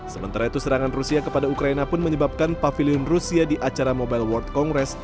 sementara itu serangan rusia kepada ukraina pun menyebabkan pavilion rusia di acara mobile world congress